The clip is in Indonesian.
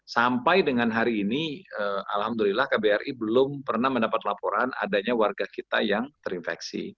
sampai dengan hari ini alhamdulillah kbri belum pernah mendapat laporan adanya warga kita yang terinfeksi